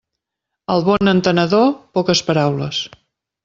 Al bon entenedor, poques paraules.